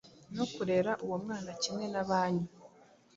no kurera uwo mwana kimwe n’abanyu